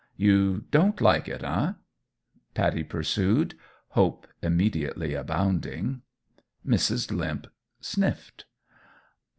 "You don't like it, eh?" Pattie pursued, hope immediately abounding. Mrs. Limp sniffed.